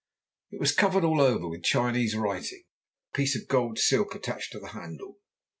It was covered all over with Chinese writing, and had a piece of gold silk attached to the handle.